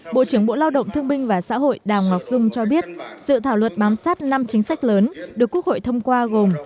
bộ trưởng bộ lao động thương binh và xã hội đào ngọc dung cho biết dự thảo luật bám sát năm chính sách lớn được quốc hội thông qua gồm